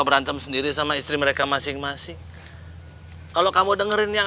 berantem sendiri sama istri mereka masing masing kalau kamu dengerin yang